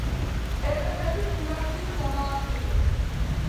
პერესების დინასტიის დამაარსებელი.